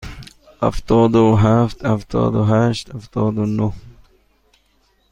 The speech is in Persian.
هفتاد و هفت، هفتاد و هشت، هفتاد و نه.